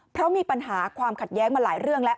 เพราะมีปัญหาความขัดแย้งมาหลายเรื่องแล้ว